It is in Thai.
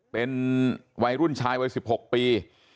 เป็นวัยรุ่นชายวัย๑๖ปี